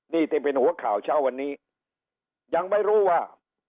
นี่ที่เป็นหัวข่าวเช้าวันนี้ยังไม่รู้ว่า